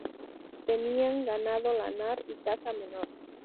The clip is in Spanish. Tenían ganado lanar y caza menor.